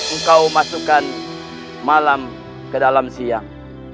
engkau masukkan malam ke dalam siang